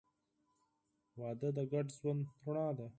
• واده د ګډ ژوند رڼا ده.